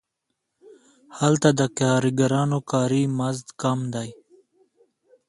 هلته د کارګرانو کاري مزد کم دی